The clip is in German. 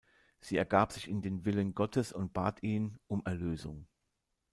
Sie ergab sich in den Willen Gottes und bat ihn um Erlösung.